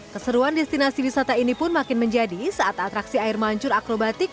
keseruan destinasi wisata ini pun makin menjadi saat atraksi air mancur akrobatik